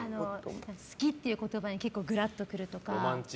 好きっていう言葉に結構ぐらっとくるとか。